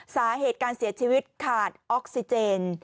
สาเหตุการเสียชีวิตขาดออกซิเจน